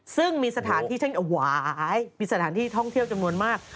ซึ่งมีสถานที่ท่องเที่ยวจำนวนมาก